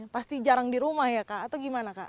pasti jarang di rumah ya kak atau gimana kak